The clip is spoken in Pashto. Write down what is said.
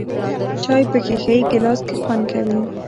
چای په ښیښه یې ګیلاس کې خوند کوي .